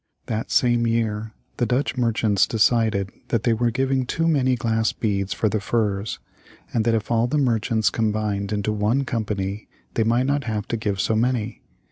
That same year the Dutch merchants decided that they were giving too many glass beads for the furs, and that if all the merchants combined into one company they might not have to give so many.